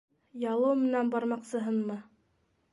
Ялыу менән бармаҡсыһынмы?